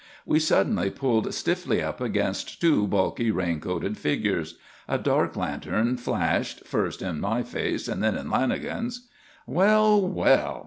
We suddenly pulled stiffly up against two bulky, raincoated figures. A dark lantern flashed, first in my face, then in Lanagan's. "Well, well!"